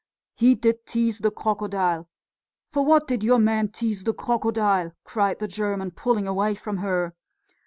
"He did tease the crocodile. For what did your man tease the crocodile?" cried the German, pulling away from her.